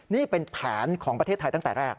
นี่เป็นแผนของประเทศไทยตั้งแต่แรก